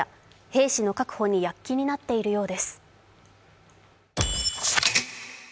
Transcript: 兵士の確保に躍起になっているようです。